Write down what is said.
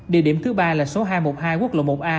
địa điểm thứ ba là số hai trăm một mươi hai quốc lộ một a